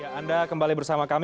ya anda kembali bersama kami